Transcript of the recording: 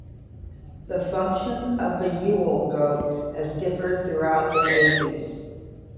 The function of the Yule goat has differed throughout the ages.